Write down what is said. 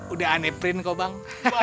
udah ane print kok bang